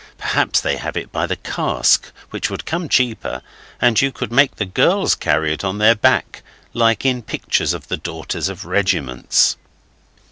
Perhaps they have it by the cask, which would come cheaper; and you could make the girls carry it on their back, like in pictures of the daughters of regiments.